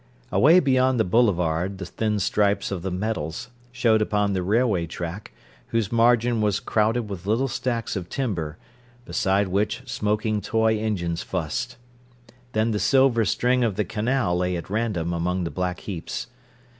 Away beyond the boulevard the thin stripes of the metals showed upon the railway track, whose margin was crowded with little stacks of timber, beside which smoking toy engines fussed. Then the silver string of the canal lay at random among the black heaps.